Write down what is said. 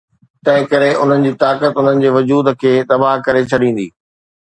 تنهنڪري انهن جي طاقت انهن جي وجود کي تباهه ڪري ڇڏيندي.